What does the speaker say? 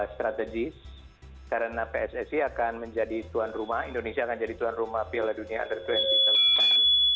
strategis karena pssi akan menjadi tuan rumah indonesia akan jadi tuan rumah piala dunia under dua puluh tahun depan